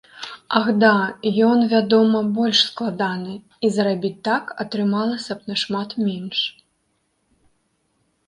Ах да, ён, вядома, больш складаны і зарабіць так атрымалася б нашмат менш.